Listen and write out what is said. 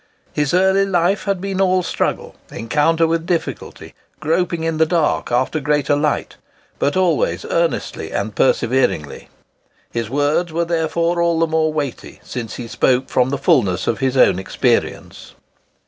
His early life had been all struggle—encounter with difficulty—groping in the dark after greater light, but always earnestly and perseveringly. His words were therefore all the more weighty, since he spoke from the fulness of his own experience.